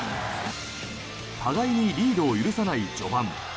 互いにリードを許さない序盤。